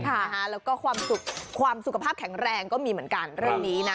แล้วก็ความสุขความสุขภาพแข็งแรงก็มีเหมือนกันเรื่องนี้นะ